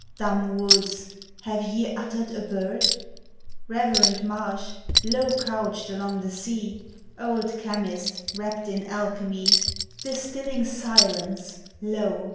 Dumb woods, have ye uttered a bird? Reverend Marsh, low couched along the Bea, Old Chemist, rapt in alchemy. Distilling silence, lo!